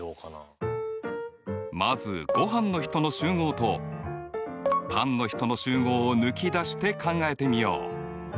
まずごはんの人の集合とパンの人の集合を抜き出して考えてみよう。